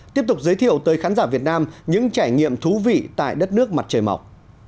tiếp tục giới thiệu tới khán giả việt nam những trải nghiệm thú vị tại đất nước mặt trời mọc